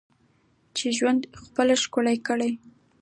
چې ژوند خپل ښکلی کړې.